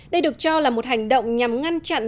đây được cho là một hành động nhằm ngăn chặn